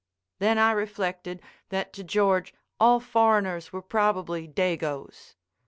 Then I reflected that to George all foreigners were probably "Dagoes."